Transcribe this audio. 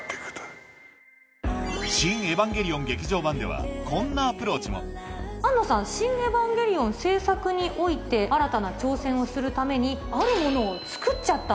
『シン・エヴァンゲリオン劇場版』ではこんなアプローチも庵野さん『シン・エヴァンゲリオン』製作において新たな挑戦をするためにあるものを作っちゃったんです。